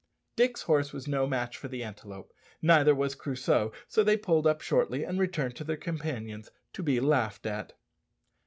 Dick's horse was no match for the antelope, neither was Crusoe; so they pulled up shortly and returned to their companions, to be laughed at.